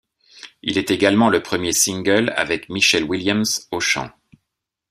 Il est également le premier single avec Michelle Williams au chant.